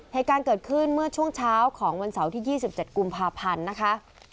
เหตุการณ์เกิดขึ้นเมื่อช่วงเช้าของวันเสาร์ที่๒๗กุมภาพันธ์นะคะ